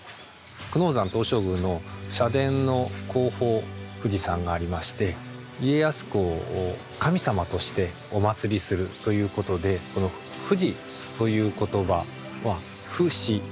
久能山東照宮の社殿の後方富士山がありまして家康公を神様としてお祀りするということでこの「富士」という言葉は「不死」